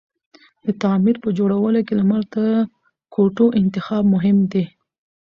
د تعمير په جوړولو کی لمر ته کوتو انتخاب مهم دی